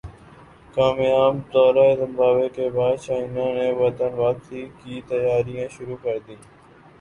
کامیاب دورہ زمبابوے کے بعد شاہینوں نے وطن واپسی کی تیاریاں شروع کردیں